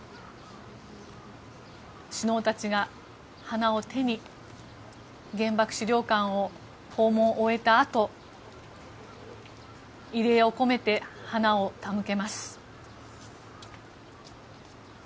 首脳たちが花を手に原爆資料館を訪問を終えたあと慰霊を込めて、花を手向けます。